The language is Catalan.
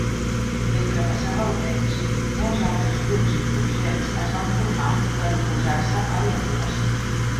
Mentre passava el temps , molts altres grups insurgents es van formar per oposar-se a la ocupació.